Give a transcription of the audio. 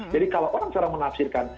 jadi kalau orang secara menafsirkan